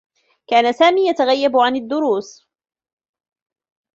كان سامي يتغيّب عن الدّروس.